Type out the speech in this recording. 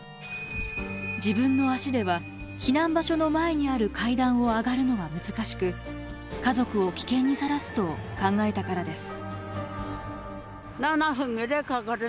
自分の足では避難場所の前にある階段を上がるのは難しく家族を危険にさらすと考えたからです。